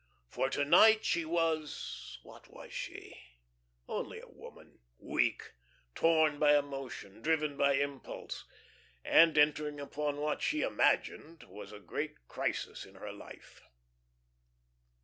For to night she was what was she? Only a woman, weak, torn by emotion, driven by impulse, and entering upon what she imagined was a great crisis in her life.